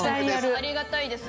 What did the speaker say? ありがたいです。